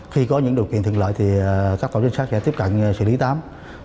khi có những điều kiện thiện lợi thì các tổ trinh sát sẽ tiếp cận xử lý tám